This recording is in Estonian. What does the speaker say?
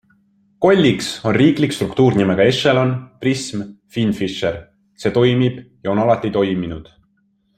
Kolliks on riiklik struktuur nimega ECHELON, PRISM, FINFISHER - see toimib ja on alati toiminud.